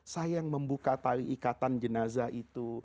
saya yang membuka tali ikatan jenazah itu